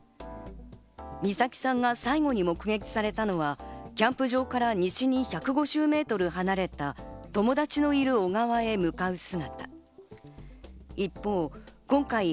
美咲さんが最後に目撃されたのは、キャンプ場から西に１５０メートル離れた友達のいる小川へ向かう姿。